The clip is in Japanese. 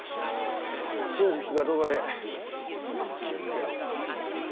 真実がどうあれ気を付けるんだな。